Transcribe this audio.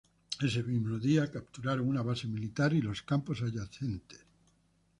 Ese mismo día capturaron una base militar y los campos adyacentes.